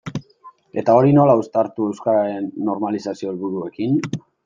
Eta hori nola uztartu euskararen normalizazio helburuarekin?